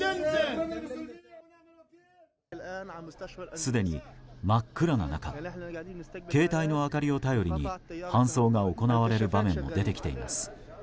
すでに真っ暗な中携帯の明かりを頼りに搬送が行われる場面も出てきています。